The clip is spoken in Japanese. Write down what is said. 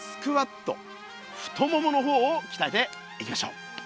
太ももの方をきたえていきましょう。